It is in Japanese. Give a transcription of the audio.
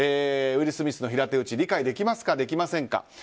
ウィル・スミスの平手打ち理解できますか、できませんか。